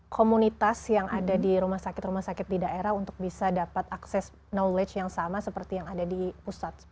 komunitas yang ada di rumah sakit rumah sakit di daerah untuk bisa dapat akses knowledge yang sama seperti yang ada di pusat